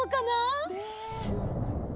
ねえ。